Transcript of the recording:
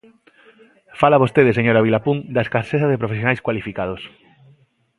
Fala vostede, señora Vilapún, da escaseza de profesionais cualificados.